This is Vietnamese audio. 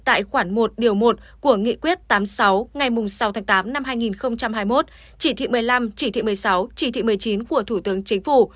tại khoản một điều một của nghị quyết tám mươi sáu ngày sáu tháng tám năm hai nghìn hai mươi một chỉ thị một mươi năm chỉ thị một mươi sáu chỉ thị một mươi chín của thủ tướng chính phủ